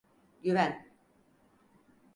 Güven.